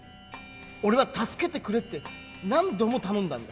俺は助けてくれって何度も頼んだんだ。